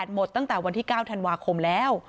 หมดตั้งแต่วันที่๙ธันวาคมแล้ว